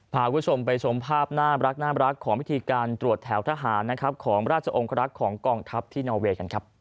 พาคุณผู้ชมไปชมภาพน่ารักของพิธีการตรวจแถวทหารนะครับของราชองครักษ์ของกองทัพที่นอเวย์กันครับ